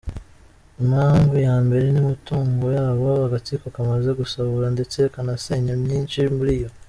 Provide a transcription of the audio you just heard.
Impamvu ya mbere n’imitungo yabo agatsiko kamaze gusahura ndetse kanasenya myinshi muri yo.